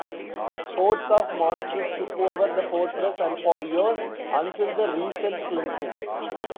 Hordes of monsters took over the fortress and for years until the recent cleansing.